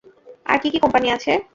আর কী কী কোম্পানি আছে?